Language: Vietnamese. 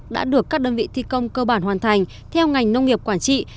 đã được các đơn vị thi công cơ bản hoàn thành theo ngành nông nghiệp quản trị